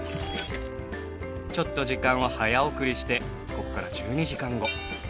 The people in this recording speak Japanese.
ちょっと時間を早送りしてここから１２時間後。